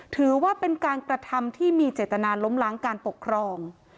ถือว่าเป็นการกระทำที่มีเจตนาล้มล้างการปกครอง